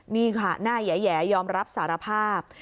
นี่ค่ะหน้าแหยยอมรับสารภาพ